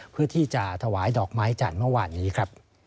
เพื่อที่จะถวายดอกไม้จันทร์เมื่อวานนี้ครับ